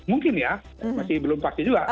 mungkin ya masih belum pasti juga